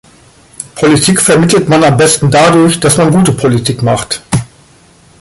Politik vermittelt man am besten dadurch, dass man gute Politik macht.